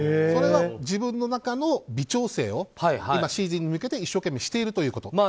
それは、自分の中の微調整を今、シーズンに向けて一生懸命しているということ。